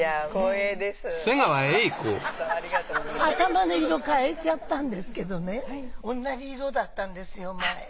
頭の色変えちゃったんですけどね同じ色だったんですよ前。